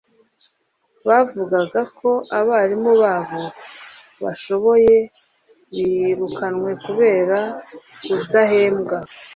bavugaga ko abarimu babo bashoboye birukanywe kubera kudahembwa